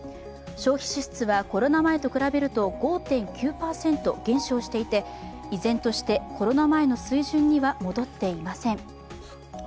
消費支出はコロナ前と比べると５．９％減少していて、依然としてコロナ前の水準には戻っていません。